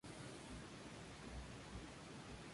Trabajó estrechamente con A.Ş.